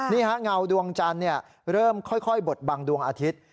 เงาดวงจันทร์เริ่มค่อยบดบังดวงอาทิตย์